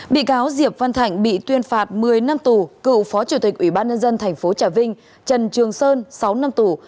bị cáo diệp văn thạnh bị tuyên phạt một mươi năm tù cựu phó chủ tịch ủy ban nhân dân tp trà vinh trần trường sơn sáu năm tù